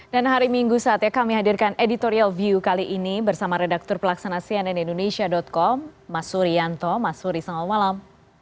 dan hari minggu saatnya kami hadirkan editorial view kali ini bersama redaktur pelaksana cnn indonesia com mas surianto mas suri selamat malam